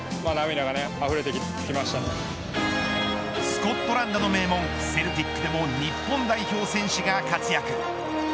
スコットランドの名門セルティックでも日本代表選手が活躍。